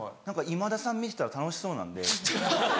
今田さん見てたら楽しそうなんで。